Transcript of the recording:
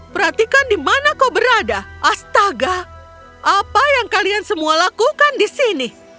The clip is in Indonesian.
perhatikan di mana kau berada astaga apa yang kalian semua lakukan di sini